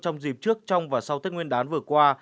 trong dịp trước trong và sau tết nguyên đán vừa qua